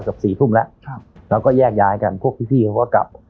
กับสี่ทุ่มแล้วครับแล้วก็แยกย้ายกันพวกพี่เขาก็กลับ